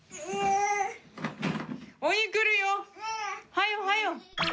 はよはよ！